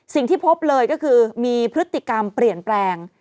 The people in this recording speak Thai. สิ่งที่พบเลยก็คือมีพฤติกรรมเปลี่ยนแปลง